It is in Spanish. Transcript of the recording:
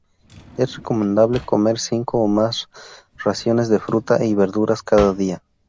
Es recomendable comer cinco o más raciones de fruta y verduras cada día.